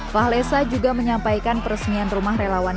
fahle samunabari juga menyampaikan peresmian rumah relawan